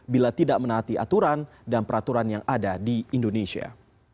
bila tidak menaati aturan dan peraturan yang ada di indonesia